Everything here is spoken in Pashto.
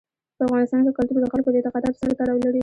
په افغانستان کې کلتور د خلکو د اعتقاداتو سره تړاو لري.